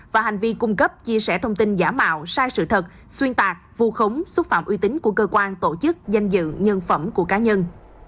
và hành vi cung cấp chia sẻ thông tin giả mạo sai sự thật xuyên tạc vù khống xúc phạm uy tín của cơ quan tổ chức danh dự nhân phẩm của cá nhân